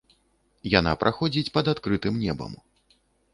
Яна праходзіць пад адкрытым небам.